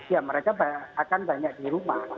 ya mereka akan banyak di rumah